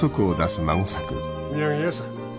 お土産やさ。